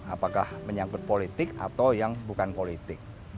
apakah menyangkut politik atau yang bukan politik